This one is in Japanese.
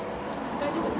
大丈夫です。